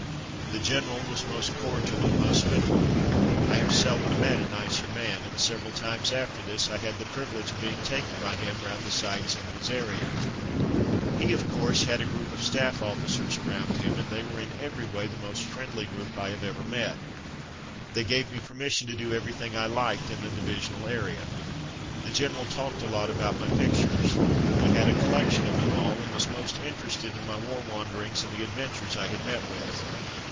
The general was most cordial and hospitable. I have seldom met a nicer man, and several times after this I had the privi lege of being taken by him round the sights 262 From Mud to Mufti in his area. He, of course, had a group of staff officers around him, and they were in every way the most friendly group I have ever met. They gave me permission to do everything I Hked in the divisional area. The general talked a lot about my pictures. He had a collection of them all, and was most interested in my war wanderings and the adventures I had met with.